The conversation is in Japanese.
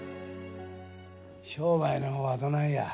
商売のほうはどないや？